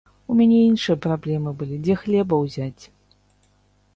У мяне іншыя праблемы былі, дзе хлеба ўзяць.